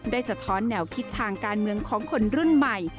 สะท้อนแนวคิดทางการเมืองของคนรุ่นใหม่